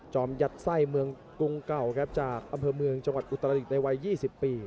ยัดไส้เมืองกรุงเก่าครับจากอำเภอเมืองจังหวัดอุตรดิษฐ์ในวัย๒๐ปี